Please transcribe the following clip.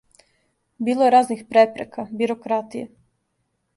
Било је разних препрека, бирократије...